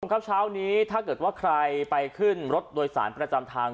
ครับเช้านี้ถ้าเกิดว่าใครไปขึ้นรถโดยสารประจำทาง